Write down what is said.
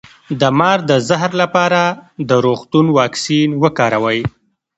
د مار د زهر لپاره د روغتون واکسین وکاروئ